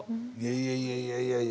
いやいやいやいや。